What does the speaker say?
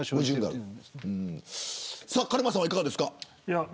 カルマさんはいかがですか。